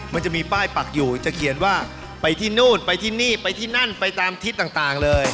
มันจะมีป้ายปักอยู่จะเขียนว่าไปที่นู่นไปที่นี่ไปที่นั่นไปตามทิศต่างเลย